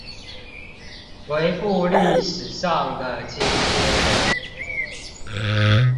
回顧歷史上的今天